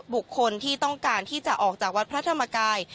บุคคลที่ต้องการที่จะออกจากวัดพระธรรมกาย